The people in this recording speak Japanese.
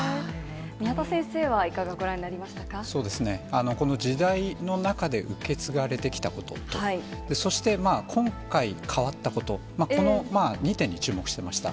宮田先生は、そうですね、この時代の中で受け継がれてきたことと、そして今回、変わったこと、この２点に注目してました。